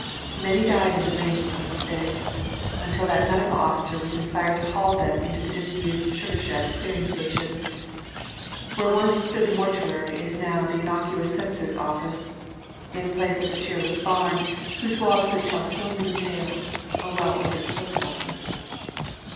Many died in the rain in those days, until that Medical Officer was inspired to haul them into the disused sugar shed clearing station. Where once stood the mortuary is now the innocuous Censor's office. In place of the cheerless barn, whose walls could tell so many tales, a well ordered post office.